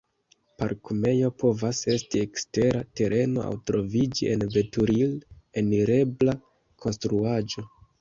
Parkumejo povas esti ekstera tereno aŭ troviĝi en veturil-enirebla konstruaĵo.